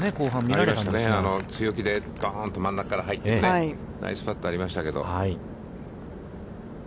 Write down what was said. ありましたね、強気で、バーンと真ん中から入ってきて、ナイスパットがありましたけど。